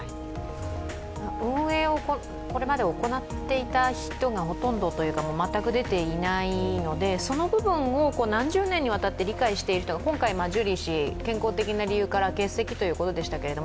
運営をこれまで行っていた人がほとんどというか全く出ていないので、その部分を何十年にわたって理解している人が今回、ジュリー氏は健康的な理由から欠席ということでしたけど